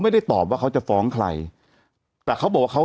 แต่หนูจะเอากับน้องเขามาแต่ว่า